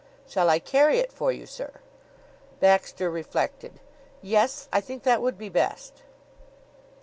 "Shall I carry it for you, sir?" Baxter reflected. "Yes. I think that would be best."